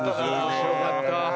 面白かった。